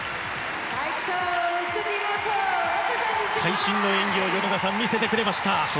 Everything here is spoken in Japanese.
会心の演技を米田さん、見せてくれました。